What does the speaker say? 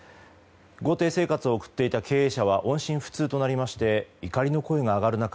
豪邸生活を送っていた経営者は音信不通となって怒りの声が上がる中